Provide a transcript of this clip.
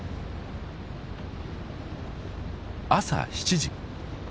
朝７時。